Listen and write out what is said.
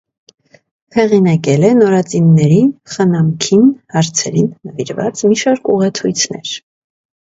Հեղինակել է նորածինների խնամքին հարցերին նվիրված մի շարք ուղեցույցներ։